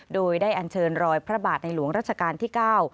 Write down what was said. โดยได้อันเชิญรอยพระบาทในหลวงรัชกาลที่๙